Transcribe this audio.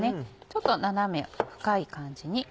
ちょっと斜め深い感じに。